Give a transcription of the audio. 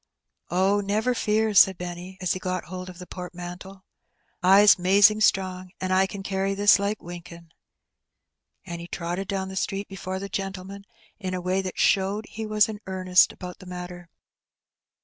"Oh, never fear," said Benny, as he got hold of the portmanteau. "I^s 'mazing strong, and I ken carry this like winkin'." And he trotted down the street before the gentleman in a way that showed he was in earnest about the matter.